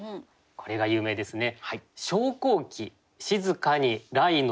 これが有名ですね。